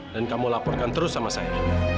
dan kamu laporkan terus sama saya